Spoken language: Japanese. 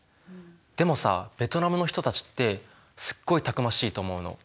でもさベトナムの人たちってすっごいたくましいと思うの。